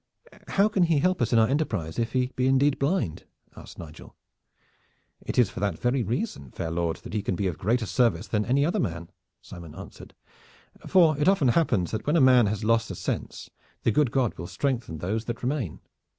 "How can he help us in our enterprise if he be indeed blind?" asked Nigel. "It is for that very reason, fair lord, that he can be of greater service than any other man," Simon answered; "for it often happens that when a man has lost a sense the good God will strengthen those that remain.